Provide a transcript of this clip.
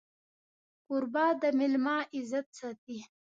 کوربه د مېلمه عزت ساتي.